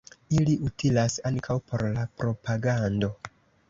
Ili utilas ankaŭ por la propagando.